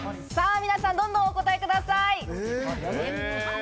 皆さん、どんどんお答えください。